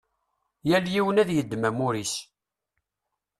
Yal yiwen ad yeddem amur-is.